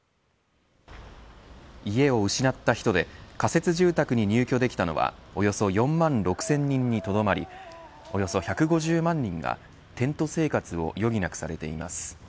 家を失った人で仮設住宅に入居できたのはおよそ４万６０００人にとどまりおよそ１５０万人がテント生活を余儀なくされています。